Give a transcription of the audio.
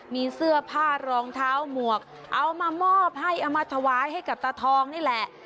มีเสื้อผ้ารองเท้าหมวกเอามามอบให้เอามาถวายให้กับตาทองนี่แหละ